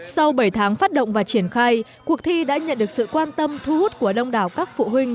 sau bảy tháng phát động và triển khai cuộc thi đã nhận được sự quan tâm thu hút của đông đảo các phụ huynh